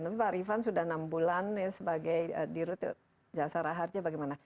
tapi pak rifan sudah enam bulan sebagai dirut jasa raja bagaimana